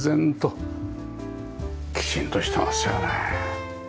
きちんとしてますよね。